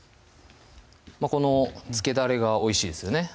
この漬けだれがおいしいですよね